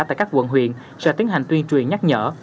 tại các quận huyện sẽ tiến hành tuyên truyền nhắc nhở